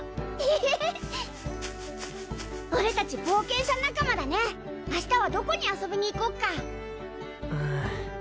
エヘヘ俺達冒険者仲間だね明日はどこに遊びに行こっかうん